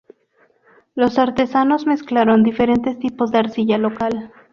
Los artesanos mezclaron diferentes tipos de arcilla local.